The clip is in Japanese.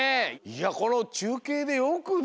いやこのちゅうけいでよくね。